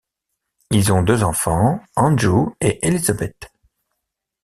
Ils ont deux enfants, Andrew et Elisabeth.